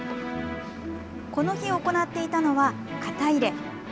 この日行っていたのは、型入れ。